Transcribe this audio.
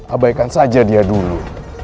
abaikan saja dia dulu